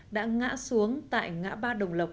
đã ngã xuống tại ngã ba đồng lộc